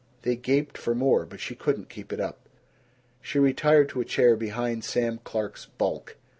They gaped for more. But she could not keep it up. She retired to a chair behind Sam Clark's bulk.